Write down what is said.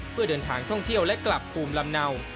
เพื่อเดินทางท่องเที่ยวและกลับภูมิลำเนา